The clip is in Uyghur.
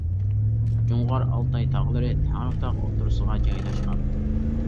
جۇڭغار ئالتاي تاغلىرى تەڭرىتاغ ئوتتۇرىسىغا جايلاشقان.